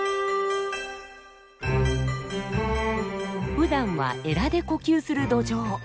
ふだんはエラで呼吸するドジョウ。